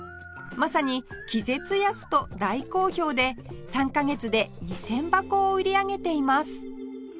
まさに気絶安と大好評で３カ月で２０００箱を売り上げています